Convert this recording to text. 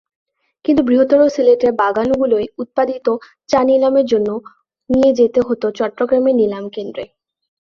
কিন্তু বৃহত্তর সিলেটের বাগানগুলোয় উৎপাদিত চা নিলামের জন্য নিয়ে যেতে হত চট্টগ্রামের নিলাম কেন্দ্রে।